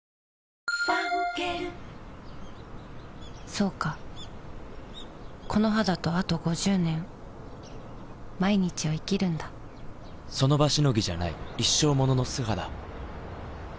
そうかこの肌とあと５０年その場しのぎじゃない一生ものの素肌